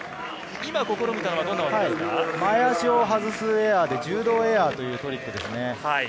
今、試みたのは、前を外すエアでジュードーエアというトリックです。